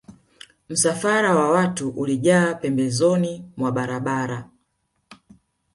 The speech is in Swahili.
Msafara wa watu ulijaa pembezoni mwa barabara